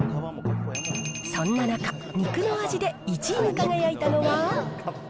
そんな中、肉の味で１位に輝いたのが。